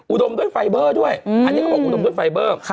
อุดมด้วยไฟเบอร์ด้วยอันนี้เขาบอกอุดมด้วยไฟเบอร์